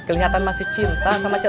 kalau masih saling cinta macet